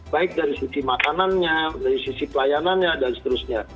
baik dari sisi makanannya dari sisi pelayanannya dan seterusnya